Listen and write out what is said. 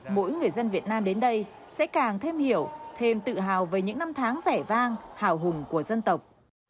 mỗi người dân việt nam đến đây sẽ càng thêm hiểu thêm tự hào về những năm tháng vẻ vang hào hùng của dân tộc